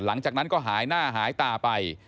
หลังจากนั้นก็หายหน้าหายตาไป